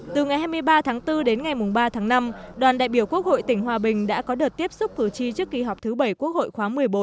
từ ngày hai mươi ba tháng bốn đến ngày ba tháng năm đoàn đại biểu quốc hội tỉnh hòa bình đã có đợt tiếp xúc cử tri trước kỳ họp thứ bảy quốc hội khóa một mươi bốn